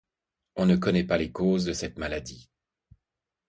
On ne connaît pas les causes de cette maladie.